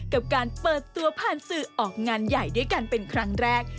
กับการเปิดตัวผ่านสื่อออกงานใหญ่ด้วยกันเป็นครั้งแรก